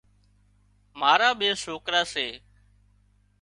مارا ٻي سوڪرا سي۔